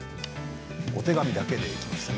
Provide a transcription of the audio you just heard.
お手紙だけで終わりましたね